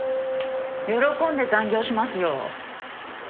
喜んで残業しますよ。